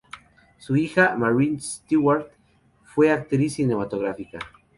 Su hija, Marianne Stewart, fue actriz cinematográfica.